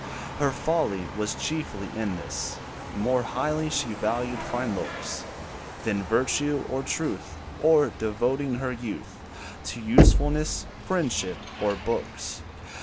Her folly was chiefly in this: More highly she valued fine looks, Than virtue, or truth, Or devoting her youth To usefulness, friendship, or books.